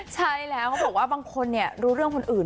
ใช่แล้วเขาบอกว่าบางคนรู้เรื่องคนอื่น